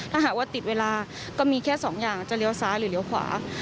ถ้าหากว่าติดเวลาก็มีแค่สองอย่างจะเลี้ยวซ้ายหรือเลี้ยวขวา